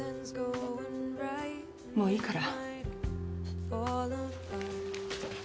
もういいから。